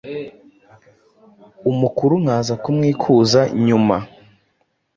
umukuru nkaza kumwikuza nyuma?”